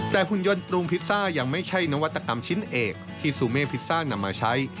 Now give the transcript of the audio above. แต่หุ่นยนต์ปรุงพิซซ่ายังไม่ใช่นวัตกรรมชิ้นเอกที่ซูเม่พิซซ่านำมาใช้